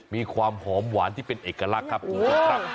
มีความหอมหวานที่เป็นเอกลักษณ์ครับครับ